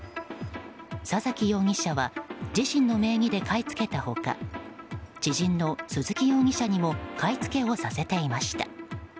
佐崎容疑者は自身の名義で買い付けた他知人の鈴木容疑者にも買い付けをさせていました。